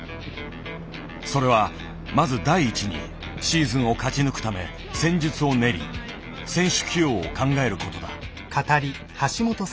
それはまず第一にシーズンを勝ち抜くため戦術を練り選手起用を考える事だ。